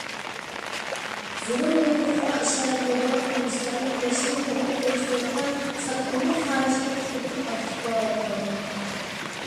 زۇلۇم يوقلىقىغا ئىشارەتلەيدىغان قىلمىشلارنى قىلىشنى توغرا كۆرسىتىۋاتقان، ساتقۇنلۇق خاھىشىنى قۇترىتىپ ئاكتىپلاۋاتقان.